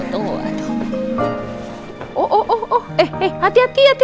oh oh oh eh eh hati hati hati hati